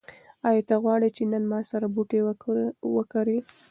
ایا ته غواړې چې نن ما سره بوټي وکرې؟